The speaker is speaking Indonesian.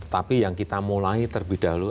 tapi yang kita mulai terlebih dahulu